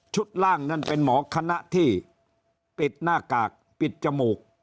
ล่างนั้นเป็นหมอคณะที่ปิดหน้ากากปิดจมูก